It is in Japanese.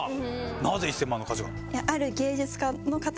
なぜ１０００万の価値がある？